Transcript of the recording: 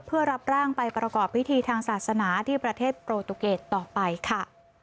เพื่อรับร่างไปประกอบพิธีทางศาสนาที่ประเทศโปรตุเกตต่อไปค่ะ